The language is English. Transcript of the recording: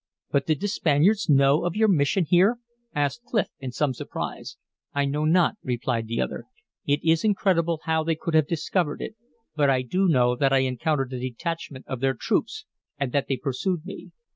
"But did the Spaniards know of your mission here?" asked Clif, in some surprise. "I know not," replied the other. "It is incredible how they could have discovered it, but I do know that I encountered a detachment of their troops and that they pursued me."